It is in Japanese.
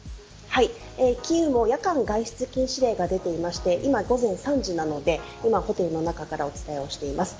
キーウも夜間外出禁止令が出ていまして今、午前３時なので今、ホテルの中からお伝えしています。